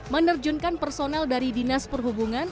menerjunkan personel dari dinas perhubungan